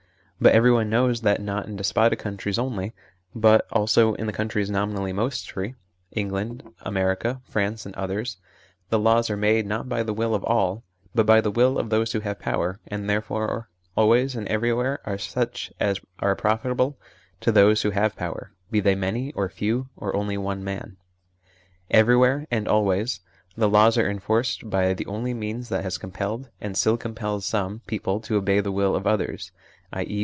But everyone knows that not in despotic countries only, but also in the countries nominally most free England, America, LEGISLATION ORGANISED VIOLENCE 91 France, and others the laws are made not by the will of all, but by the will of those who have power, and therefore always and everywhere are such as are profitable to those who have power : be they many, or few, or only one man. Everywhere and always the laws are enforced by the only means that has compelled, and still compels, some people to obey the will of others, i.e.